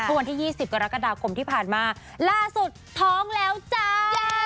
วันที่๒๐กรกฎาคมที่ผ่านมาล่าสุดท้องแล้วจ้า